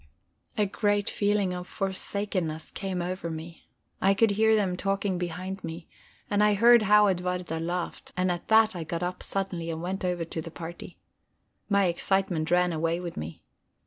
A great feeling of forsakenness came over me. I could hear them talking behind me, and I heard how Edwarda laughed; and at that I got up suddenly and went over to the party. My excitement ran away with me.